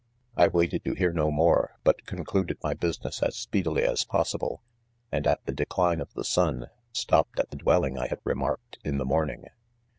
I waited to hear :hg more, but concluded my business as speedily as possible ; and at the de cline if the sun 3 stopped at the dwelling I had remarked in the morning.